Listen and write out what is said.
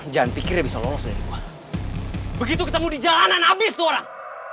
jangan pikir dia bisa lolos dari gue begitu ketemu di jalanan abis tuh orang